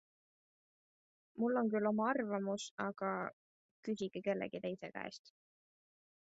Mul on küll oma arvamus, aga ... küsige kellegi teise käest.